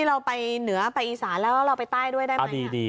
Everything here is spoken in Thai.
เราไปเหนือไปอีสานแล้วเราไปใต้ด้วยได้ไหม